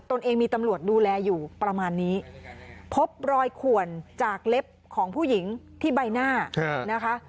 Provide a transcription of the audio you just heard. เองมีตำรวจดูแลอยู่ประมาณนี้พบรอยขวนจากเล็บของผู้หญิงที่ใบหน้านะคะ